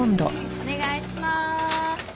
お願いします。